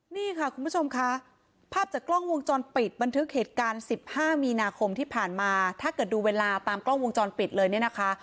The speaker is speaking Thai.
นี่ค่ะคุณผู้ชมค่ะภาพจากกล้องวงจรปิดบันทึกเหตุการณ์๑๕มีนาคมที่ผ่านมาถ้าเกิดดูเวลาตามกล้องวงจรปิดเลยเนี่ยนะคะ